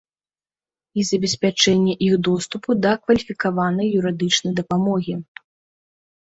І забеспячэнне іх доступу да кваліфікаванай юрыдычнай дапамогі.